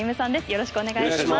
よろしくお願いします。